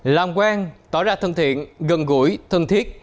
làm quen tỏ ra thân thiện gần gũi thân thiết